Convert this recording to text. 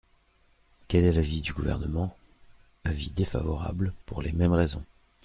Quel est l’avis du Gouvernement ? Avis défavorable, pour les mêmes raisons.